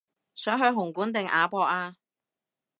想去紅館定亞博啊